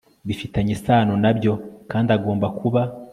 bifitanyen isano na byo kandi agomba kuba